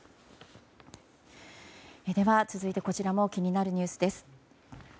では続いてこちらも気になるニュースです。